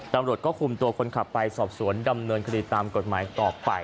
ตำรวจก็คุมตัวคนขับไปสอบสวนดำเนินคดีตามกฎหมายต่อไป